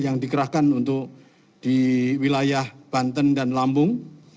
yang dikerahkan untuk di wilayah banten dan lampung